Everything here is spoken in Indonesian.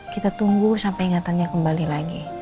kita tunggu sampai ingatannya kembali lagi